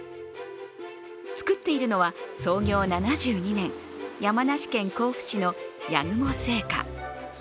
作っているのは、創業７２年、山梨県甲府市の八雲製菓。